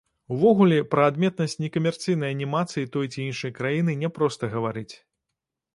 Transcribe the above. Увогуле, пра адметнасць некамерцыйнай анімацыі той ці іншай краіны няпроста гаварыць.